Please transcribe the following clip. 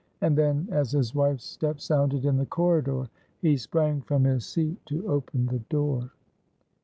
And then, as his wife's step sounded in the corridor, he sprang from his seat to open the door.